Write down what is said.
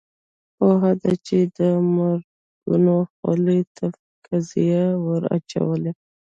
پوهه ده چې د مرګونو خولې ته قیضه ور اچوي.